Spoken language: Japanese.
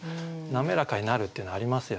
滑らかになるっていうのありますよね。